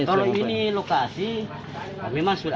kalau ini lokasi memang sudah